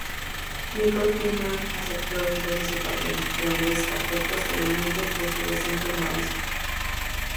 Nicole Kidman aceptó entonces el papel, pero lo descartó posteriormente, por su reciente embarazo.